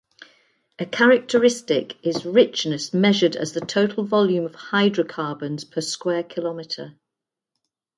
A characteristic is richness measured as the total volume of hydrocarbons per square kilometer.